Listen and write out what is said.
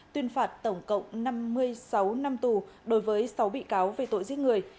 tuyên phạt tổng cộng năm mươi sáu năm tù đối với sáu bị cáo về tội giết người